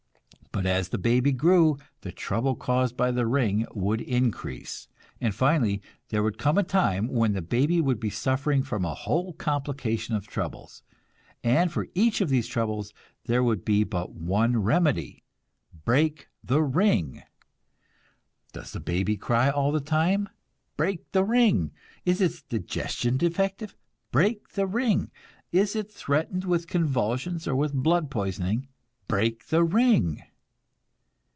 But as the baby grew the trouble caused by the ring would increase, and finally there would come a time when the baby would be suffering from a whole complication of troubles, and for each of these troubles there would be but one remedy break the ring. Does the baby cry all the time? Break the ring! Is its digestion defective? Break the ring! Is it threatened with convulsions or with blood poisoning? Break the ring!